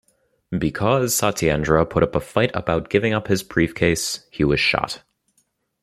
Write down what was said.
Because Satyendra put up a fight about giving up his briefcase, he was shot.